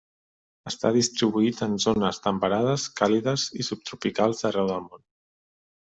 Està distribuït en zones temperades càlides i subtropicals d'arreu del món.